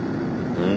うん？